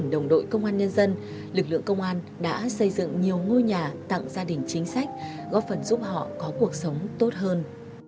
đội công an nhân dân lực lượng công an đã xây dựng nhiều ngôi nhà tặng gia đình chính sách góp phần giúp họ có cuộc sống tốt hơn